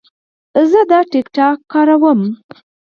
زه د ټک ټاک کاروم.